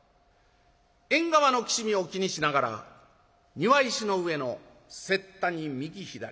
縁側のきしみを気にしながら庭石の上の雪駄に右左さし込んだ